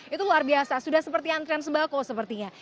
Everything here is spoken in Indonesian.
itu luar biasa sudah seperti antrian sembako sepertinya